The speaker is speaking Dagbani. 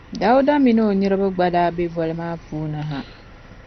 Dauda min’ o niriba gba daa be voli maa puuni ha.